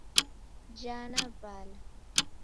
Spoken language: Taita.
Jaa na vala.